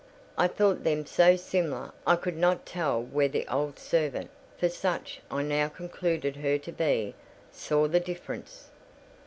I thought them so similar I could not tell where the old servant (for such I now concluded her to be) saw the difference.